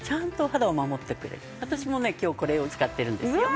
私もね今日これを使っているんですよ。